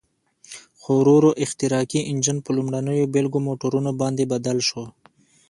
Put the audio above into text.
خو ورو ورو احتراقي انجن په لومړنیو بېلګه موټرونو باندې بدل شو.